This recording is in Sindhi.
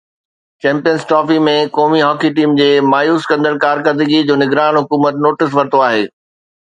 چيمپيئنز ٽرافي ۾ قومي هاڪي ٽيم جي مايوس ڪندڙ ڪارڪردگي جو نگران حڪومت نوٽيس ورتو آهي.